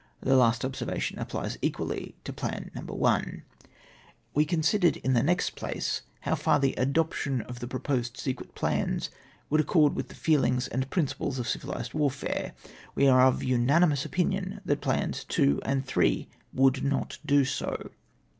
The last observation applies equally to plan No. L " We considered in the next place, how far the adoption of the proposed secret plans would accord with the feelings and principles of civilised warfare. We are of unanimous opinion that plans Nos. 2 and 3, would not do so.